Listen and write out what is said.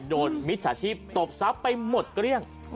โดดมิจฉาชีพตบทรัพย์ไปหมดกะเลี่ยง